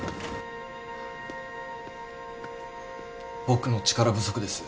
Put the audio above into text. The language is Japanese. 僕の力不足です